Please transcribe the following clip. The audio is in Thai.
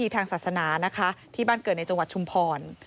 ทางศาสนานะคะที่บ้านเกิดในจังหวัดชุมพร